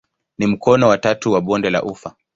Ni mkono wa tatu wa bonde la ufa.